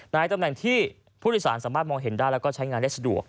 ในตำแหน่งที่ผู้โดยสารสามารถมองเห็นได้แล้วก็ใช้งานได้สะดวก